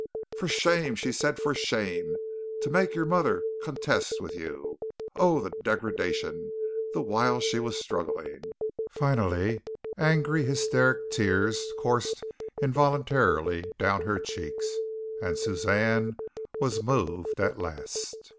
"For shame," she said. "For shame! To make your mother contest with you. Oh, the degradation" the while she was struggling. Finally, angry, hysteric tears coursed involuntarily down her cheeks and Suzanne was moved at last.